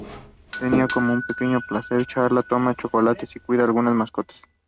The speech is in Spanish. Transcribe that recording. Tenía como pequeños placeres charlar, tomar chocolate y cuidar algunas mascotas.